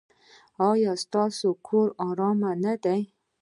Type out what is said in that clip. ایا ستاسو کور ارام نه دی؟